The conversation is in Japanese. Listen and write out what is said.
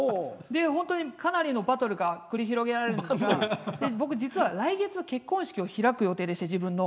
本当にかなりのバトルが繰り広げられるんですが僕、実は来月結婚式を開く予定で自分の。